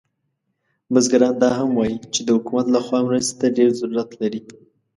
بزګران دا هم وایي چې د حکومت له خوا مرستې ته ډیر ضرورت لري